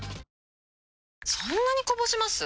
そんなにこぼします？